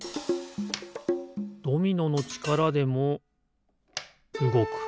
ドミノのちからでもうごく。